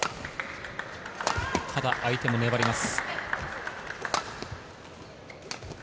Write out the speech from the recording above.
ただ相手も粘ります。